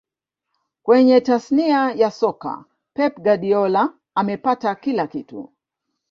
Kwenye tasnia ya soka pep guardiola amepata kila kitu